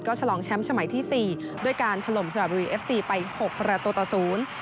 ก็ฉลองแชมป์ชมัยที่๔ด้วยการถล่มสวัสดิ์บรีเอฟซีไป๖ประตูตะศูนย์